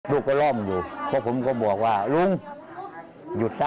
ลูกก็ล้อมดูก็พวกผมก็บอกว่ารุงหยุดซะอ๋อ